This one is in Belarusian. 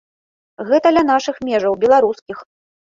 Гэта ля нашых межаў, беларускіх!